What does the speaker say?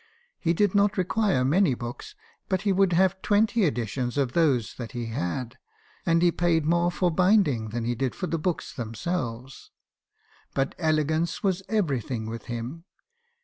He did not require many books, but he would have twenty editions of those that he had; and he paid more for binding than he did for the books themselves. am. habkison's confessions. 277 But elegance was everything with him.